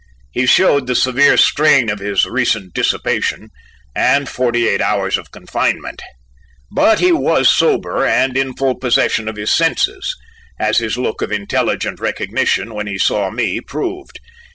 He showed the severe strain of his recent dissipation, and forty eight hours of confinement: but he was sober and in the full possession of his senses, as his look of intelligent recognition when he saw me proved.